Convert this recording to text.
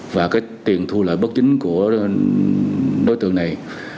và cái tiền thu lợi bất chính của đối tượng này